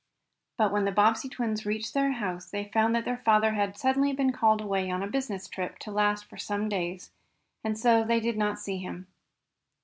But when the Bobbsey twins reached their house they found that their father had suddenly been called away on a business trip to last for some days, and so they did not see him.